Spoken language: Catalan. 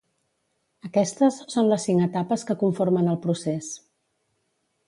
Aquestes són les cinc etapes que conformen el procés.